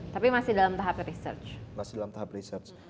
tapi masih dalam tahap research